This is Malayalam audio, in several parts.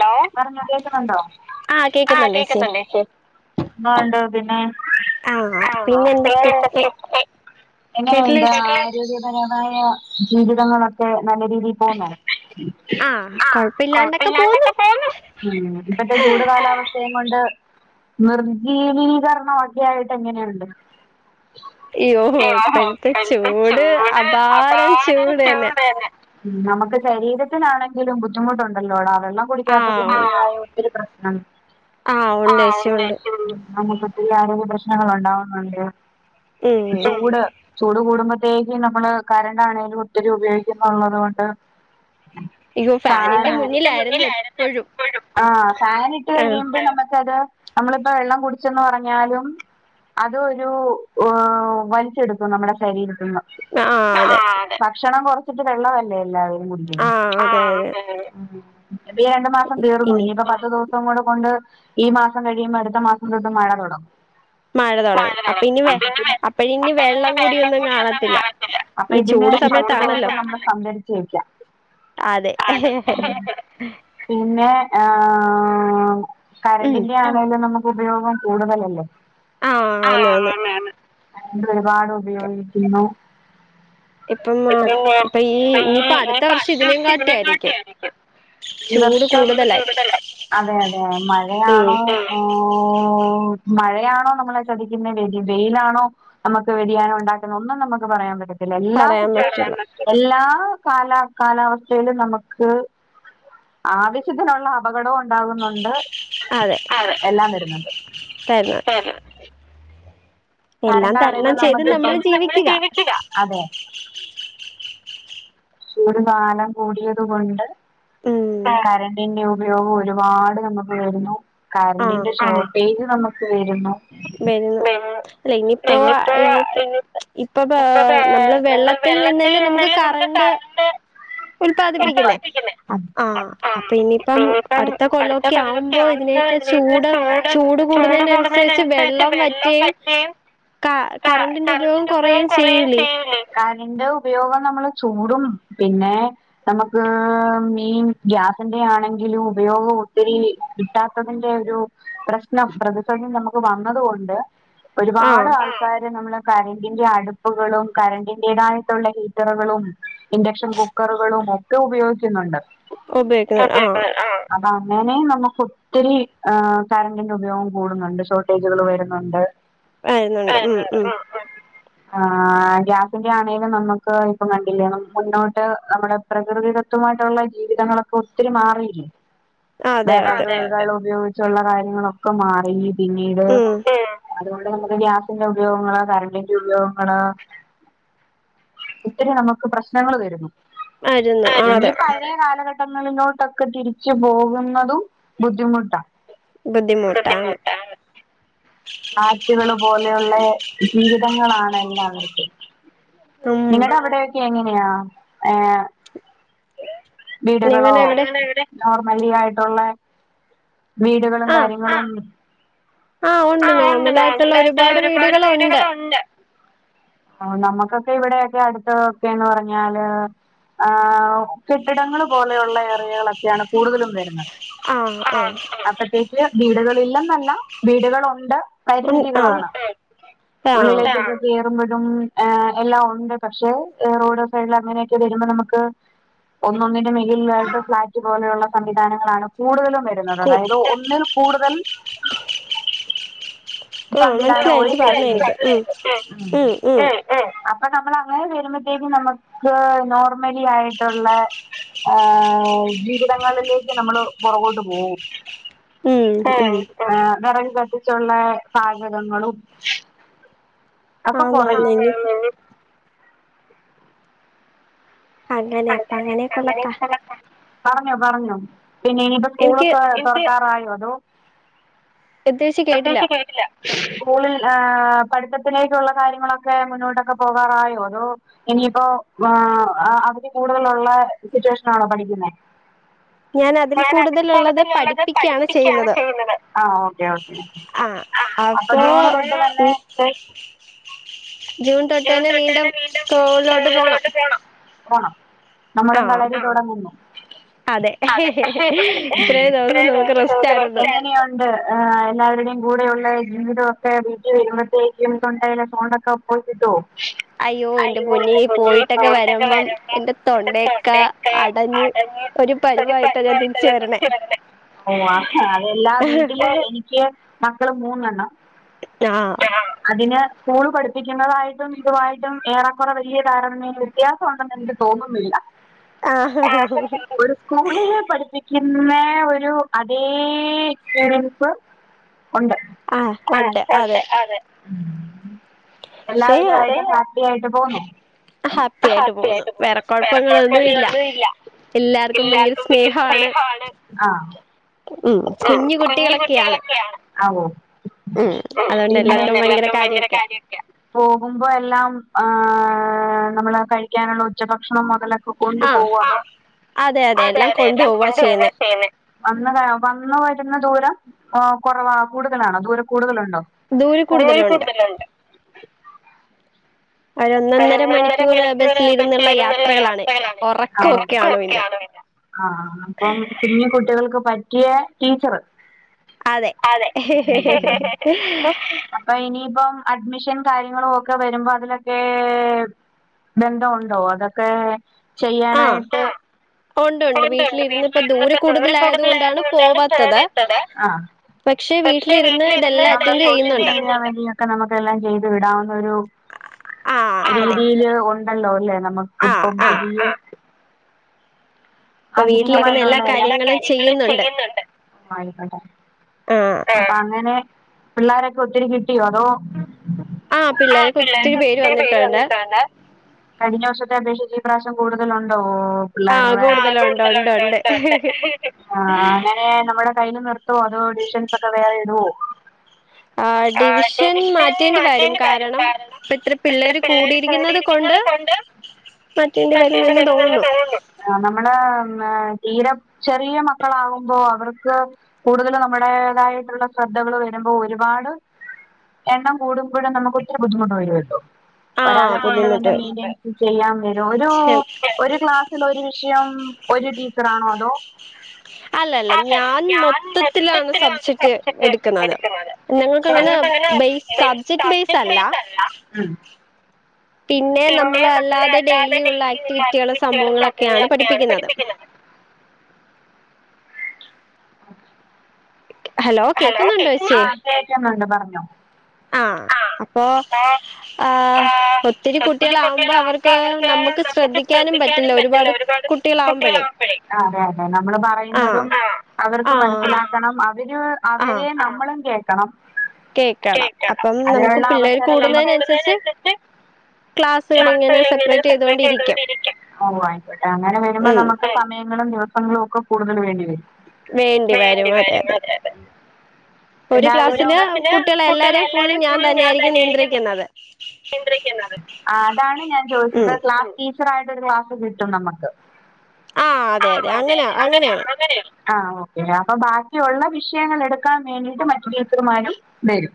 ഹലോ പറഞ്ഞൊ കേക്കുന്നുണ്ടോ ആഹ് കേക്ക്ന്ന്ണ്ട് ഏച്ച്യേ എന്താേഇണ്ട് പിന്നെ ആഹ പിന്നെ എന്തെക്കെ എങ്ങനെയുണ്ട് ആയ് ഗതിപരമായ ജീവിതങ്ങളൊക്കെ നല്ല രീതിയിൽ പോവുന്നൊ ആഹ് കൊഴ് പ്പില്ലാണ്ടെക്കെ പോവുന്നു ഉം ഇപ്പത്തെ ചൂട് കാലാവ സ്ഥയുംകൊണ്ട് നിർജ്ജീവീകരണം ഒക്കെ ആയിട്ട് എങ്ങനെയുണ്ട് ഏഹ് ഓഹൊ കഴിഞ്ഞ്ട്ട് ചൂട് അപാര ചൂടെന്നെ ഉം നമക്ക് ശരീരത്തിനാണെങ്കിലും ബുദ്ധിമുട്ട് ഉണ്ടല്ലോടാ വെള്ളം കുടിക്കാത്തതിന്റെ ആഹ് ഒര് മറ്റൊരു പ്രശ്‌നം ആഹ് ഉണ്ടൈ ചൂട് നമുക്ക് നല്ല ആരോഗ്യ പ്രശ്നങ്ങള് ഉണ്ടാവുന്നുണ്ട് ചൂട് ചൂട് കൂടുമ്പത്തേക്കും നമ്മള് കറണ്ടാണേലും ഒത്തിരി ഉപയോഗിക്കുന്നുള്ളത് കൊണ്ട് ഉം ഇതും ഫാനിന്റെ മുൻ ഏറ്റം മുന്നിലായിരുന്നു എപ്പഴും ആഹ് ഫാന്ഇട്ട് കഴിയുമ്പം നമ്മക്കത് നമ്മള് ഇപ്പൊ വെള്ളം കുടിച്ചെന്ന് പറഞ്ഞാലും അത് ഒരു ഹ് വലിച്ചെട്ക്കും നമ്മളെ ശരീരം തിന്നാ അആഹ് അതെ ഭക്ഷണം കൊറച്ചിട്ട് വെള്ളവല്ലേ എല്ലാവരും കുടി ക്ക്ന്ന് ആഹ് ഓക്കെ ഉം ഇത് കഴിഞ്ഞ്ട്ട് രണ്ട് മാസം തീർന്നു ഇനിപ്പം പത്ത് ദൂ സം കൂടെ കൊണ്ട് ഈ മാസം കഴിയും അട്ത്ത മാസം തൊട്ട് മഴ തൊടങ്ങും മഴ തൊടങ്ങും അപ്പം ഇനി വെ അപ്പം ഇനി വെള്ളം കൂടിയൊന്നും കാണത്തില്ല അപ്പം ഇതിന്ചൂട് ദിവസം നമ്മൾ സംഭരിച്ച വെക്കാം ആ അതെ പിന്നെ ആ കരണ്ടിൻ്റെ അ ഇപ്പെന്നെ നമുക്ക് ഉപയോഗം കൂടുതലല്ലെ ആഹ ന്നെ ന്നെ കറണ്ട് ഒരുപാട് ഉപയോഗിക്കുന്നു ഇപ്പം മ ഇപ്പൊ ഈ ഇനിയിപ്പ അടുത്ത വർഷം ഇതിനേം കാട്ടിയായിരിയ്ക്കും ഈ വർഷം ചൂട് കൂടുതല അതെ അതെ മഴയാണോ ഓ ഓ മഴയാണോ നമ്മളെ ചതിക്കുന്നേ വെയ് വെയിലാണോ നമക്ക് വ്യതിയാനം ഒണ്ടാക്കുന്ന് ഒന്നും നമുക്ക് പറയാൻ പറ്റ എല്ലാ സിറ്റുവേഷന എല്ലാ കാല കാലാവസ്ഥയിലും നമക്ക് ആവശ്യത്തിന് ഒള്ള അപകടോ ഒണ്ടാകുന്നോണ്ട് അതെ തന്നാ കറണ്ട് ആവില്ലനമ്മ ക്കി ഇപ്പം എല്ലാം കണ്ടത് ചയ്തു നന്നായി ജീവിക്കുക അതെ ചൂട് കാലം കൂടിയത് കൊണ്ട് കര പിന്നെ ഉപയോഗം ഒരുപാട് ഞമക്ക് വരുന്നു കറണ്ടിന്റെ ഷോർട്ടേജ് നമക്ക് വരുന്നു വര് ന്നു ല്ല ഇനിയിപ്പോ ആ ഇനിയിപ്പോ ഇപ്പൊ ബൊ നമ്മള് വെള്ളത്തിൽ നിന്ന ല്ലേ നമുക്ക് കറണ്ട് ഉല്പാദിപ്പിക്കുന്നേ ആഹ് അപ്പ ഇനിയിപ്പം അടുത്ത കൊല്ലം ക്കെ ആവുമ്പോ ഇതിനെക്കെ ചൂട് ചൂട് കൂടുന്നേന നുസേച്ച് ച്ച് വെള്ളം വറ്റിയെം ക കറണ്ടിന്റെ ഉപയോഗം കൊ റ യെം ചെയ്യൂലെ കറണ്ട് ഉപയോഗം നമ്മള് ചൂടും പിന്നെ നമക്ക് മീൻ ഗ്യാസിന്റെ ആണെങ്കിലും ഉപയോഗം ഒത്തിരി കിട്ടാത്തതിന്റെ ഒരു പ്രശ്നം പ്രതിസന്ധി നമുക്ക് വന്നത് കൊണ്ട് ഒരുപാട് ആൾക്കാര് നമ്മളെ കറന്റിന്റെ അടുപ്പുകളും കറന്റിന്റെ തായിട്ടുള്ള ഹീറ്ററുകളും ഇൻഡക്ഷൻ കുക്കറുകളും ഒക്കെ ഉപയോഗിക്കുന്നു ണ്ട് ഇപ്പ കേക്കാം ആ അബ അങ്ങനെ നമുക്ക് ത്തിരി ആ കറണ്ടിന്റെ ഉപയോഗം കൂടുന്നൊ ണ്ട് ഷോർട്ടേജുകള് വരുന്നൊ ണ്ട് ആരിന്നോണ്ട് ഉം ഉം അ അ ആ ഗ്യാസ് ന്റെ ആണെലും നമക്ക് ഇപ്പ ന കല്യാണം മുന്നോട്ട് നമ്മടെ പ്രകൃതി തത്വമായിട്ടോള്ള ജീവിതങ്ങള് ഒക്കെ ഒത്തിരി മാറില്ലേ വെ റക് കള് ഉപയോഗിച്ചോള്ള കാര്യങ്ങള് ഒക്കെ മാറി പിന്നീട് അത് കൊണ്ട് നമക്ക് ഗ്യാസിന്റെ ഉപയോഗങ്ങള് കറണ്ടിന്റെ ഉപയോഗങ്ങള് ഇ ത്തിരി നമക്ക് പ്രശ്നങ്ങള് വരുന്നു ഇനി പഴേ കാലഘട്ട തങ്ങളിലോട്ട് ഒക്കെ തിരിച്ചു പോകുന്നതും ബുദ്ധിമുട്ടാ ബുദ്ധിമുട്ടാന്ന് ആറ്റുകള് പോലെ ഒള്ളേ ജീവിതങ്ങളാണ് എല്ലാവർക്കും [inaudible] നിങ്ങടെ അവിടെ ഒക്കെ എങ്ങനെയാ ഏ വീടുകളോ നോർമലി ആയിട്ടുള്ള വീടുകളും കാര്യങ്ങളും ആഹ് ഒണ്ട് നോർമലായിട്ടുള്ള ഒരുപാട് വീടുകള് ഒണ്ട് നമക്ക്‌ പൊ ഇവിടെ ഒക്കെ അടുത്ത് ഒക്കെ ന്ന് പറഞ്ഞാല് ആഹ് ഒ കെട്ടിടങ്ങള് പോലെ ഒള്ളേ ഏറിയകള് ഒക്കെയാണ് കൂടുതലും വെരുന്നത് അപ്പത്തേക്ക് വീടുകള് ഇല്ലന്ന് അല്ല വീടുകള് ഒണ്ട് പരിമിതികളാണ് ഏ ഏ ഉള്ളിലേക്ക് ഒക്കെ കെറുമ്പഴും ഏ എല്ലാം ഒണ്ട് പക്ഷെ റോഡ് സൈഡില് അങ്ങനെ ഒക്കെ വരുമ്പ നമക്ക് ഒന്ന് ഒന്നിന്റെ മേകളിലായിട്ട് ഫ്ളാറ്റ് പോലെ ഒള്ള സംവിധാനങ്ങളാണ് കൂടുതലും വര വെരുന്ന അതതായത് ഒന്നിൽ കൂടുതൽ സംവിധാനം ഒഴിച്ചിട്ട് ഏ ഉം ഏ ഏ അപ്പ നമ്മള് അങ്ങനെ വെരുമ്പത്തേക്കും നമക്ക് നോർമലി ആയിട്ടോള്ളേ ഏഹ ജീവിതങ്ങളിലേക്ക് നമ്മള് പൊറകോട്ട് പോവും ഉം ഉം ഏ വെറക് കത്തിച്ച് ഒള്ളേ പാചകങ്ങളും ആന്നാന്ന് ഇനിപ്പം അങ്ങനെ അപ്പ അങ്ങനെയൊക്കെ ഉള്ളക്കാ പറഞ്ഞോ പറഞ്ഞോപിന്നെ ഇനിയിപ്പോ സ്കൂളൊക്കെ തുറക്കാറായോ അതോ ഉദ്ദേശിക്കെ ഉദ്ദേശിച്ചത് കേട്ടില്ല സ്കൂളിൽ പഠിത്തത്തിലേക്കുള്ള കാര്യങ്ങളൊക്കെ മുന്നോട്ടൊക്കെ പോകാറായോ അതോ. ഇനിയിപ്പോ ആഹ് അതില് കുടുതലുള്ള സിറ്റുവേഷൻനാണോ പഠിക്കുന്നെ ഞാൻ അതിൽ കൂടുതൽലുള്ളത് പഠിപ്പിക്കയാണ് ചെയ്യുന്നത് ആഹ് അപ്പൊ ജൂൺ തൊട്ട് തന്നെ വീണ്ടും സ്കൂളിലോട്ട് പോണം പോണം നമ്മള കളരി തുടങ്ങന്നു അതെ ഇത്രയും നാൾ സ്കൂളിന്റെ റെസ്റ്റായിരുന്നു. ണ്ട് എല്ലാവരുടെയും കൂടെയുള്ള ജീവിത ഒക്കെ വീട്ടി വരുമ്പോഴത്തേക്കും തൊണ്ടയില സൗണ്ടൊക്കെ പോയി കിട്ടോ അയ്യോ എന്റെ പൊന്നേ പോയിട്ടൊക്കെ വരുമ്പോ എന്റെ തൊണ്ട ഒക്കെ അടഞ്ഞ് ഒരു പരിവ ഇട്ട് സത്യ വരുന്നേ ഒ വാ അതെല്ലാ വീട്ടില് എനിക്ക് മക്കൾ മൂന്നണ്ണം ആഹ് അതിന് സ്കൂള് പഠിപ്പി യെങ്ങളായിട്ടും ഇതുവായിട്ടും ഏറെ കൊറെ വെല്യ കാരണ വ്യത്യാസം ഒണ്ടെന്ന് എനിക്ക് തോന്നുന്നില്ല [unintelligible] ഒരു സ്കൂളിൽ പഠിപ്പിക്കുന്നേ ഒരു അതേ എക്സ്പീരിയൻസ് ഉണ്ട് ആഹ് അതെ എല്ലാവരും ആയിട്ട്ഹാപ്പി ആയിട്ട് പോന്നു. ഹാപ്പി ആയിട്ട് പോവുണ് വെറെകോഴപ്പങ്ങഒന്നും ഇല്ല എല്ലാർക്കും പയങ്കര സ്നേഹമാണ് ആഹ് കുഞ്ഞി കുട്ടികളൊക്കെയാണ് ആവോ ഉ പിന്നെഎല്ലാർക്കും ഭയങ്കര കാര്യൊക്കെയ പോകുമ്പോൾ എല്ലാം ഹ നമ്മള് കഴിക്കാനുള്ള ഉച്ചഭക്ഷണം മുതല് കൊണ്ട് പോവോ അതോ ആ അതെ അതെ കൊണ്ട് പോവ ചെയ്യുന്നെ. വന്നതാ വന്നു വരുന്ന ദൂരം കുറവാ കൂടുതലാണോ ദൂരം കൂടുതലുണ്ടോ ദൂര കൂടുതലുണ്ട് [inaudible] ഒരു ഒന്നൊന്നര മണിക്കൂർ ബസ്സിലിരുന്നള്ള യാത്രകളാണ് ഒറ ഒക്കെയാണ് വരാ ആഹ് അപ്പം കുഞ്ഞു കുട്ടികൾക്ക് പറ്റിയ ടീച്ചറ് അതെ അപ്പ ഇനിയിപ്പം അഡ്മിഷൻ കാര്യങ്ങളും ഒക്കെ വരുമ്പോ അതിലൊക്കെ ഇതെന്താ ഒണ്ടോ അതൊക്കെ ചെയ്യാനായിട്ട് ഉണ്ട്ണ്ട് വീട്ടിലിരുന്നപ്പെത്തെ കൂടുതല [unintelligible] ചോദിച്ചത് പക്ഷെ വീട്ടിലിരുന്ന്‌ സോഷ്യൽ മീഡിയ പണിയൊക്കെ നമുക്കെല്ലാം ചെയ്ത് വിടാവുന്ന ഒരു രീതിൽ ഉണ്ടല്ലോല്ലെ. നമുക്കിപ്പം പുതിയ ആധുനികമായിട്ടള്ള എല്ലാ കാര്യങ്ങൾ ചെയ്യുന്നുണ്ട്. അപ്പോ അങ്ങനെ പിള്ളോരൊക്കെ ഒത്തിരി കിട്ടിയോ അതോ ആ പിള്ളേര് ഒത്തിരി പേര് വന്നിട്ടുണ്ട്. കഴിഞ്ഞ വർഷത്തെ അപേക്ഷച്ച് ഇപ്രാവശ്യം കൂടുതലുണ്ടോ പിള്ളേരുടെ ആ പിള്ളേരുടെ ഉണ്ട് ഉണ്ട് അങ്ങനെ നമ്മുടെ കയ്ൽ നിർത്തോ അതോ ഡിവിഷൻസ് ഒക്കെ വേറെ ഇടുവോ? ആ ഡിവിഷൻ മാറ്റേണ്ട കാര്യം കാരണം ഇത്രത്ര പിള്ളേർ കൂടിയിരിക്കുന്നത് കൊ ണ്ട് [unintelligible] തോന്നണു നമ്മളേ മ്മ് തീര ചെറിയ മക്കളാകുമ്പോ അവർക്ക് കൂടുതല് നമ്മുടേതായിട്ടുള്ള ശ്രദ്ധകള് വരുമ്പോ ഒരുപാട് എണ്ണം കൂടുമ്പഴും നമുക്ക് ഒത്തിരി ബുദ്ധിമുട്ട് വരുവല്ലോ ഒരാളെ കൊണ്ട് തന്നെ മെയ്ൻൻ്റെയ്ൻസ് ചെയ്യാൻ വരും ഒരു ഒരു ക്ലാസ്സിൽ ഒര് വിഷയം ഒരു ടീച്ചറാണോ അതോ അല്ലല്ല ഞാൻ മൊത്തത്തിലൊരു സബ്ജറ്റ് എടുക്കുന്നത് ഞങ്ങക്കങ്ങനെ ബെയ്സ് സബ്ജറ്റ് ബെയ്‌സല്ല പിന്നെ നമ്മള് അല്ലാതെ ഡെയിലി ഉള്ള ആക്ടിവിറ്റികളും സംഭവങ്ങളൊക്കെയാണ് പഠിപ്പിക്കുന്നത് ഹലോ കേൾക്കുന്നുണ്ടൊ ആഹ് കേക്കുന്നുണ്ട് പറഞ്ഞൊ അപ്പൊ ആഹ് ഒത്തിരി കുട്ടികളാവുമ്പോ അവർക്ക് നമുക്ക് ശ്രദ്ധിക്കാനും പറ്റില്ല ഒരുപാട് കു ട്ടികളാകുമ്പയെ അതെ അതെ നമ്മള് പറയുന്നതും അവർക്ക് മനസ്സിലാക്കണം അവര് അവരെ നമ്മളും കേൾക്കണം കേക്കണം അതിനുള്ള അവസരം നമ്മക്ക് കൂടുന്നതിനനുസരിച്ച് ക്ലാസെല്ലാം ഇങ്ങനെ സെപ്പറേറ്റ് ചെയ്തോണ്ടിരിയ്ക്കും ഓഹ് ആയിക്കോട്ടെ അങ്ങനെ വരുമ്പോ നമ്മക്ക് അപ്പം സമയങ്ങളും ദിവസങ്ങളും ഒക്കെ കൂടുതൽ വേണ്ടി വരും വരും ഒരു ക്ലാസ്സില് കുട്ട്യളെ എല്ലാരേം ഫുൾ ഞാൻ തന്നെയായിരിക്കും നിയന്ത്രിയ്ക്കുന്നത് നിയന്ത്രിക്കുന്നത് ആഹ് അതാണ് ഞാൻ ചോദിച്ചത് ക്ലാസ് ടീ ചർ ആയത് ഒരു ഗ്ലാസ് കിട്ടും നമ്മക്ക് ആഹ് ഓക്കെ അപ്പം ബാക്കിയുള്ള വിഷയങ്ങൾ എടുക്കാൻ വേണ്ടിട്ട് മറ്റു ടീച്ചർമാരും വരും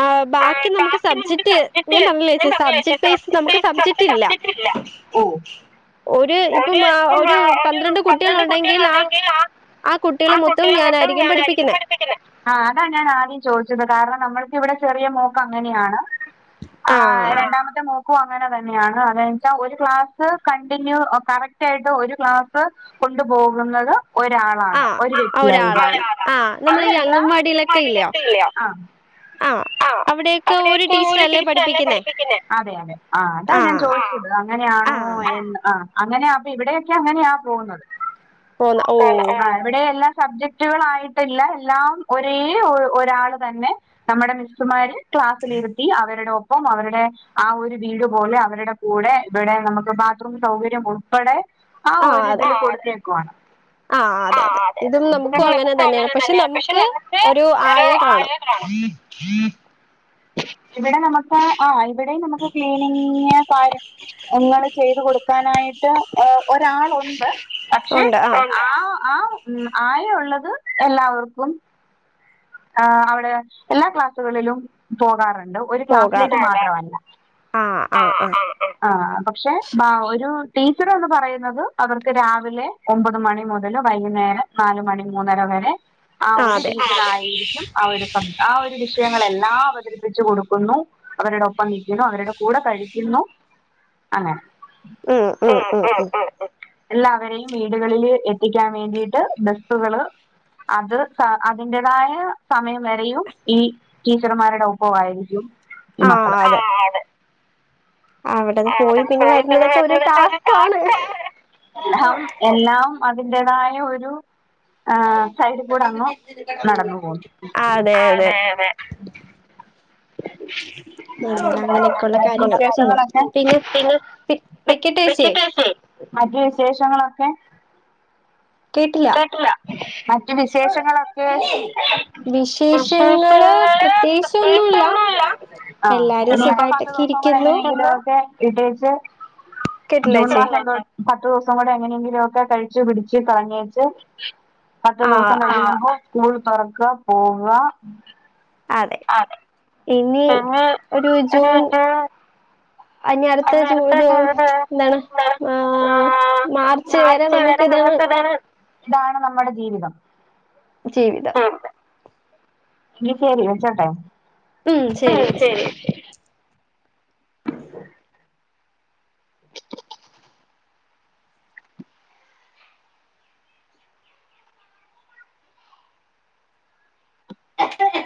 ആഹ് ബാക്കി നമുക്ക് സബ്ജക്ട് ഞാൻ പറഞ്ഞില്ലേ ചേച്ചേ സബ്ജക്ട്ബേസ് നമുക്ക് സബ്‌ജക്റ്റില്ല ഒര് ഇപ്പം ആ ഒരു പന്ത്രണ്ട് കുട്ടികൾ ഉണ്ടെങ്കിൽ ആ ആ കുട്ടികളെ മൊത്തം ഞാനായിരിക്കും പഠിപ്പിക്കുന്നെ ആഹ് അതാ ഞാൻ ആദ്യം ചോദിച്ചത് കാരണം നമ്മൾക്ക് ഇവിടെ ചെറിയ മോൾക്ക് അങ്ങനെയാണ് ആഹ് രണ്ടാമത്തെ മോക്കും അങ്ങനെ തന്നെയാണ് അതെന്ന് വച്ചാ ഒരു ക്ലാസ്സ് കണ്ടി [unintelligible] കറക്റ്റ് ആയിട്ട് ഒരു ക്ലാസ് കൊണ്ടുപോകുന്നത് ഒരാള് ആണ് ഒരു വ്യക്തിയായിരിക്കും [unintelligible] ആഹ് ആഹ അവിടെ ഒക്കെ ഒരു ടീച്ചറല്ലേ പഠിപ്പിക്കുന്ന അതെയതെ ആഹ അതാ ഞാൻ ചോദിച്ച അങ്ങനെയാണോ എന്ന് ആഹ അങ്ങനെയ അപ്പൊ ഇവിടെയൊക്കെ അങ്ങനെയാ പോകുന്നത് ഇവിടെ എല്ലാ സബ്ജക്റ്റുകളായിട്ടില്ല എല്ലാം ഒരേ ഒരാള് തന്നെ നമ്മുടെ മിസ്മാര് ക്ലാസ്സിലിരുത്തി അവരുടെ ഒപ്പ പ്പം അവരുടെ ആ ഒരു വീട് പോലെ അവരുടെ കൂടെ ഇവിടെ നമുക്ക് ബാത്റൂം സൗകര്യം ഉൾപ്പെടെ ആഹ ഒരുതില് കൊടുത്തേക്കുവാണ് ആഹ അതെ അതെ ഇവടെ നമുക്കു അങ്ങനെ തന്നെയാണ് പക്ഷെ നമുക്ക് ഒരു ആയ ആണ് ഇവിടെ നമുക്ക് ആ ഇവിടെയും നമുക്ക് ക്ലീനിങ് കാര്യങ്ങൾ ചെയ്ത് കൊടുക്കാനായിട്ട് ഒരാളുണ്ട് പക്ഷെ ആ ആ ഉം ആയ ഉള്ളത് എല്ലാവർക്കും ആഹ അവിടെ എല്ലാ ക്ലാസ്സുകളിലും പോകാറുണ്ട് ണ്ട് ഒരു ക്ലാസിലേയ്ക്ക് മാത്രമല്ല ആഹ പക്ഷെ ബാ ഒരു ടീച്ചറ് എന്ന് പറയുന്നത് അവർക്ക് രാവിലെ ഒമ്പത് മണി മുതൽ വൈകുന്നേരം നാല് മണി മൂന്നര വരെ ആ ഒരു ഡിവിഷനായി ഇരിയ്ക്കും ആ ഒരു സബ് ആ ഒരു വിഷയങ്ങളെല്ലാം അവതരിപ്പിച്ചച്ച് കൊടുക്കുന്നു അവരുടെ ഒപ്പം നിയ്ക്കുന്നു അവരുടെ കൂടെ കഴിയ്ക്കുന്നു അങ്ങനെ ഉം ഉം ഉം എല്ലാവരെയും വീടുകളില് എത്തിക്കാൻ വേണ്ടിട്ട് ബസ്സുകള് അത് സാ അതിന്റെ തായേ സമയം വരെയും ഈ ടീച്ചർമാരുടെ ഒപ്പവായിരിക്കും ഈ മക്കള് ആഹ അതെ അവിടെന്ന് പോയി പിന്നെ വരുന്നതൊക്കെ ഒരു ടാസ്ക് ആണ് എല്ലാം അതിന്റേതായ ഒരു ആഹ സൈഡ് കൂടെ അങ്ങു നടന്ന് പോവുന്നു ബാക്കി വിശേഷങ്ങളൊക്കെ പിന്നെ വെക്ക്യെട്ടേച്ചേ മറ്റു വിശേഷങ്ങളൊക്കെ കേട്ടില്ല ഇല്ല വിശേഷങ്ങളൊക്കെ വിശേഷങ്ങള് പ്രത്യേയ്ച്ചൊന്നുല്ല ആഹ ഇനിയപ്പം പത്ത് ദിവസം കൂടെ എങ്ങനെയെങ്കിലു ഒക്കെ ഇട്ടേച്ച് ജൂൺ മാസം തൊട്ട് പത്ത് ദുവസം കൂടെ എങ്ങനെയെങ്കിലും ഒക്കെ കഴിച്ചു പിടിച്ച് കളഞ്ഞേച്ച് പത്ത് ദുവസം കഴിയുമ്പം സ്കൂൾ തൊറക്ക പോവാ അതെ അതെ ഇനി ഒരു ജൂൺ ഇനി അടുത്ത ജൂൺ തോ എന്താണ് ആഹ മാർച്ച് വരെ നമുക്ക് ഇതാണ് ഇതാണ് നമ്മുടെ ജീവിതം ജീവിതം എങ്കി ശെരി വെച്ചോട്ടെ ഉം ശരിയേചി [inaudible] [unintelligible]